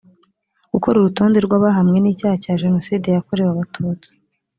gukora urutonde rw abahamwe n icyaha cya jenoside yakorewe abatutsi